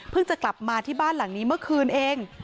จะกลับมาที่บ้านหลังนี้เมื่อคืนเอง